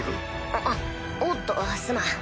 あっおっとすまん。